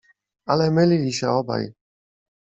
Ale mylili się obaj.